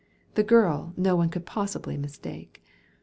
The girl no one could possibly mistake.